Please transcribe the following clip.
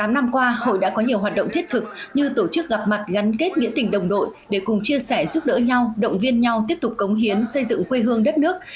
tám năm qua hội đã có nhiều hoạt động thiết thực như tổ chức gặp mặt gắn kết nghĩa tình đồng đội để cùng chia sẻ giúp đỡ nhau động viên nhau tiếp tục cống hiến xây dựng quê hương đất nước